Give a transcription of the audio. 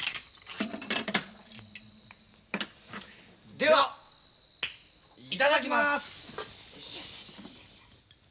ではいただきます。